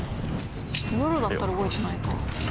夜だったら動いてないか。